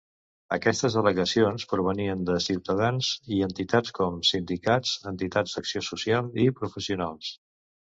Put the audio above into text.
Aquestes al·legacions provenien de ciutadans i entitats com sindicats, entitats d'acció social i professionals.